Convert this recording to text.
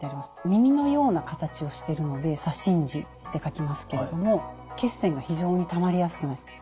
耳のような形をしているので左心耳って書きますけれども血栓が非常にたまりやすくなっている。